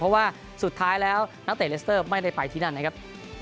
เพราะว่าสุดท้ายแล้วนักเตะเลสเตอร์ไม่ได้ไปที่นั่นนะครับ